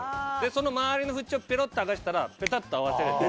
その周りの縁をペロっと剥がしたらペタっと合わせれて。